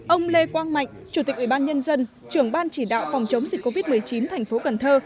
ông lê quang mạnh chủ tịch ủy ban nhân dân trưởng ban chỉ đạo phòng chống dịch covid một mươi chín thành phố cần thơ